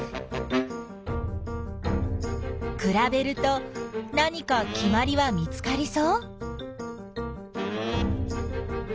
くらべると何かきまりは見つかりそう？